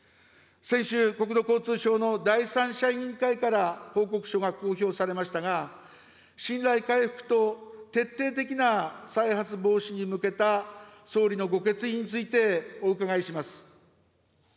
先週、国土交通省の第三者委員会から報告書が公表されましたが、信頼回復と徹底的な再発防止に向けた総理のご決意について、お伺いします。